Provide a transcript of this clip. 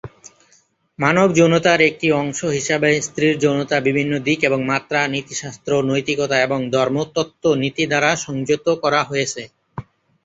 মানব যৌনতার একটি অংশ হিসাবে স্ত্রীর যৌনতা বিভিন্ন দিক এবং মাত্রা, নীতিশাস্ত্র, নৈতিকতা, এবং ধর্মতত্ত্ব নীতি দ্বারা সংযত করা হয়েছে।